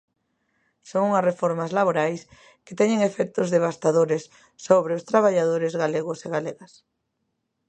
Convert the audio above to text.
Son unhas reformas laborais que teñen efectos devastadores sobre os traballadores galegos e galegas.